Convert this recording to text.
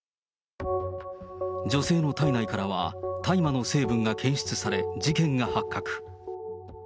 女性の体内からは、大麻の成分が検出され、事件が発覚。